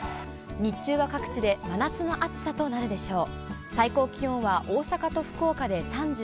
日中は各地で真夏の暑さとなるでしょう。